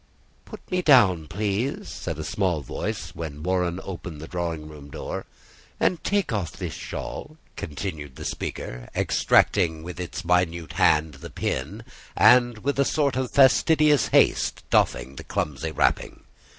"Put me down, please," said a small voice when Warren opened the drawing room door, "and take off this shawl," continued the speaker, extracting with its minute hand the pin, and with a sort of fastidious haste doffing the clumsy wrapping.